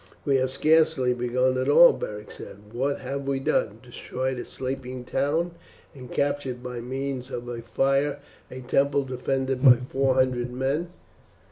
"We have scarcely begun at all," Beric said. "What have we done? Destroyed a sleeping town and captured by means of fire a temple defended by four hundred men.